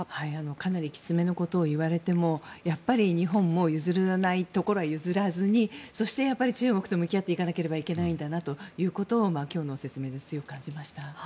かなりきつめのことを言われてもやっぱり日本も譲らないところは譲らずそして中国と向き合っていかなければということを今日の説明で強く感じました。